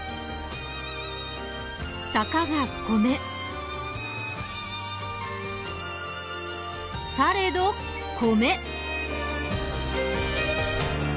「たかが米」「されど米」